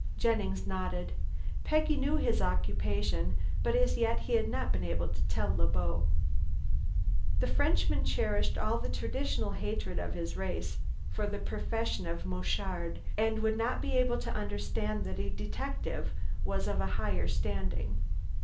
Jennings nodded. Peggy knew his occupation, but as yet he had not been able to tell Le Beau. The Frenchman cherished all the traditional hatred of his race for the profession of "mouchard," and would not be able to understand that a detective was of a higher standing.